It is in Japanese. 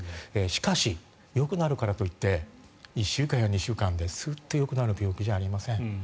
しかし、よくなるからといって１週間や２週間でスッとよくなる病気じゃありません。